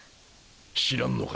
知らんのか？